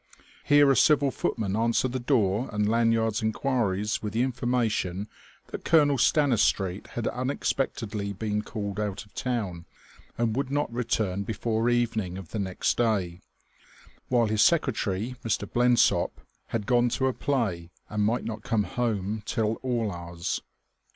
Here a civil footman answered the door and Lanyard's enquiries with the information that Colonel Stanistreet had unexpectedly been called out of town and would not return before evening of the next day, while his secretary, Mr. Blensop, had gone to a play and might not come home till all hours.